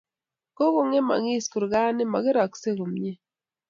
Kokong'emagis kurgani, mokeraksey komnye